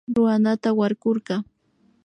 Runata warkurka